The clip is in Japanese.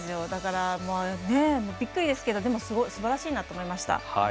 だから、びっくりですけどすばらしいなと思いました。